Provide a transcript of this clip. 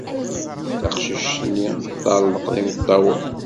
Taqcict-nni teṭṭerḍeq d imeṭṭawen.